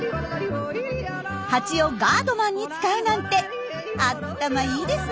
ハチをガードマンに使うなんて頭いいですね！